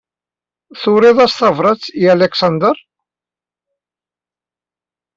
Turiḍ-as tabṛat i Alexander?